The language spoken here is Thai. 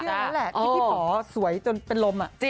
พี่ก็พี่ปอต์สวยจนเป็นลม